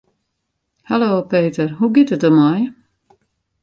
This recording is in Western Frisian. Hallo Peter, hoe giet it der mei?